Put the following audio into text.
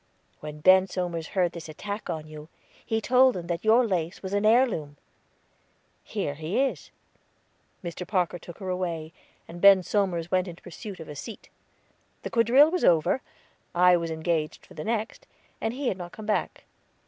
When Ben Somers heard this attack on you, he told them that your lace was an heirloom. Here he is." Mr. Parker took her away, and Ben Somers went in pursuit of a seat. The quadrille was over, I was engaged for the next, and he had not come back.